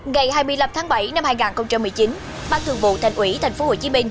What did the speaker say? ngày hai mươi năm tháng bảy năm hai nghìn một mươi chín ban thường vụ thành ủy tp hcm